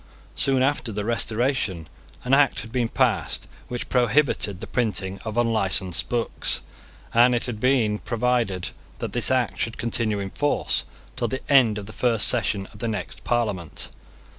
Soon after the Restoration, an Act had been passed which prohibited the printing of unlicensed books; and it had been provided that this Act should continue in force till the end of the first session of the next Parliament.